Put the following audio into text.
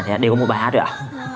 à thế đều có một bài hát rồi ạ